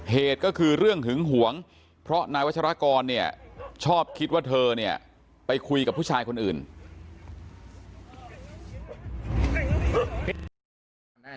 เหตุก็คือเรื่องหึงหวงเพราะนายวัชรากรเนี่ยชอบคิดว่าเธอเนี่ยไปคุยกับผู้ชายคนอื่น